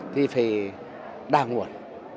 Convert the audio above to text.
thì phải đa nguồn